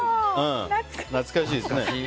懐かしいですね。